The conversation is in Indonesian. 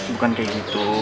bukan kayak gitu